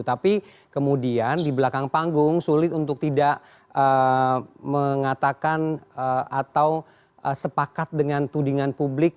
tapi kemudian di belakang panggung sulit untuk tidak mengatakan atau sepakat dengan tudingan publik